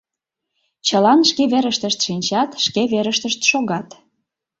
Чылан шке верыштышт шинчат, шке верыштышт шогат.